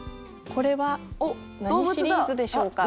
これは何シリーズでしょうか？